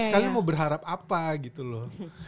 gak ada yang ngeliat apa gitu loh